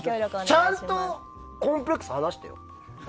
ちゃんとコンプレックス話してよ。